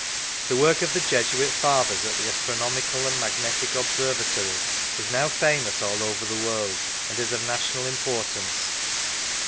The work of the Jesuit Fathers at the astronomical and magnetic observatories is now famous all over the world, and is of national importance.